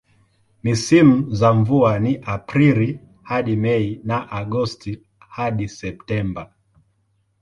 Misimu za mvua ni Aprili hadi Mei na Agosti hadi Septemba.